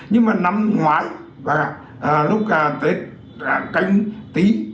nhưng mà năm ngoái và lúc tết cánh tí